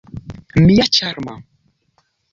Mia ĉarma!